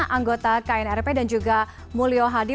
anggota knrp dan juga mulyo hadi